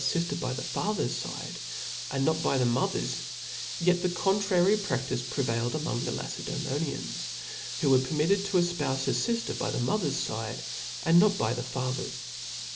51 a fifter by the father's fide, and not by the mother's^ yet the contrary praftice prevailed among the La* ccdsemonians, who were permitted to efpoufe a fifter by the mother's fide, and not by the father's.